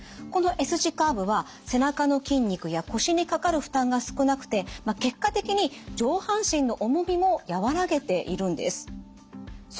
このＳ字カーブは背中の筋肉や腰にかかる負担が少なくて結果的に上半身の重みも和らげているんです。